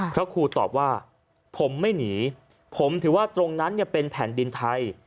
พระครูตอบว่าผมไม่หนีผมถือว่าตรงนั้นเป็นแผ่นดินไทย